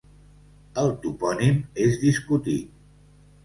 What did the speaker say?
El topònim és discutit.